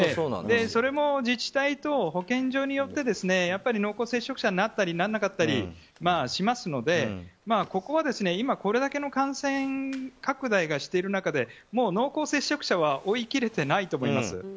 それも自治体と保健所によって濃厚接触者になったりならなかったりしますのでここは今、これだけの感染拡大をしている中で濃厚接触者は追いきれてないと思います。